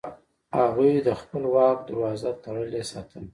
هغوی د خپل واک دروازه تړلې ساتله.